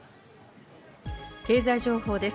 経済情報です。